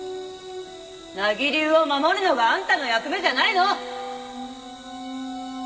名木流を守るのがあんたの役目じゃないの？